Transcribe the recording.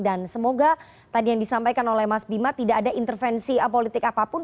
dan semoga tadi yang disampaikan oleh mas bima tidak ada intervensi politik apapun